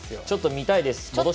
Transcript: ちょっと見たいです。